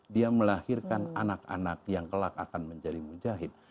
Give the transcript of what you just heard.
dia melahirkan anak anak yang kelak akan menjadi mujahid